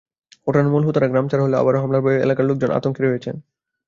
ঘটনার মূল হোতারা গ্রামছাড়া হলেও আবারও হামলার ভয়ে এলাকার লোকজন আতঙ্কে রয়েছেন।